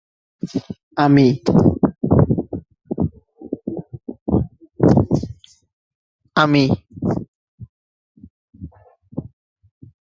যেমন, যেখানে ক্ষুধা, দারিদ্র্য ব্যাপকভাবে রয়েছে সেখানে সঙ্গীত চর্চা, বিজ্ঞান চর্চা প্রভৃতি সুষ্ঠুভাবে চলতে পারে না।